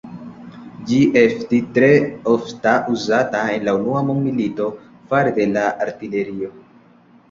Ĝi estis tre ofta uzata en la unua mondmilito fare de la artilerio.